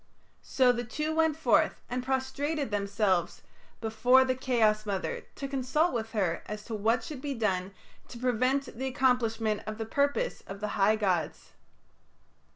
So the two went forth and prostrated themselves before the Chaos Mother to consult with her as to what should be done to prevent the accomplishment of the purpose of the high gods.